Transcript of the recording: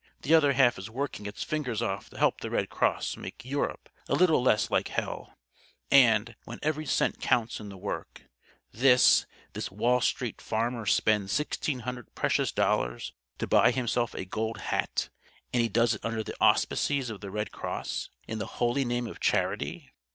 The other half is working its fingers off to help the Red Cross make Europe a little less like hell; and, when every cent counts in the work, this this Wall Street Farmer spends sixteen hundred precious dollars to buy himself a Gold Hat; and he does it under the auspices of the Red Cross, in the holy name of charity.